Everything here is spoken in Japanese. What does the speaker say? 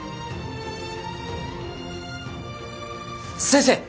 先生！